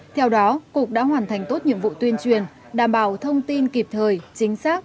theo đó cục đã hoàn thành tốt nhiệm vụ tuyên truyền đảm bảo thông tin kịp thời chính xác